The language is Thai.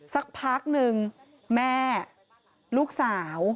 สักพักหนึ่งแม่ลูกสาว